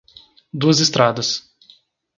Duas Estradas